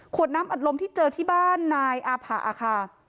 น้ำอัดลมที่เจอที่บ้านนายอาผะค่ะ